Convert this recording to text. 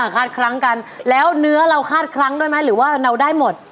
คาดคลั้งกันแล้วเนื้อเราคาดครั้งด้วยไหมหรือว่าเราได้หมด